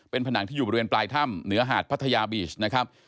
เป็นผนังที่อยู่บริเวณปลายถ้ำเหนือหาดพัทยาบีชนะครับ